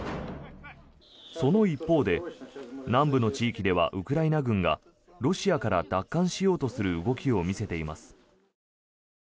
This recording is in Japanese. その一方で、南部の地域ではウクライナ軍がロシアから奪還しようとする動きを見せています。